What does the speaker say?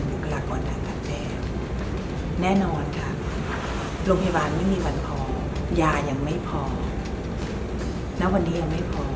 บุคลากรทางการแพทย์แน่นอนค่ะโรงพยาบาลไม่มีวันพอยายังไม่พอณวันนี้ยังไม่พอ